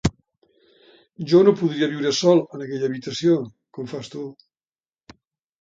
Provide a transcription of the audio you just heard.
Jo no podria viure sol en aquella habitació, com fas tu.